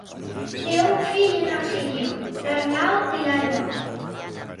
Té un fill i una filla: l'Arnau i l'Alba.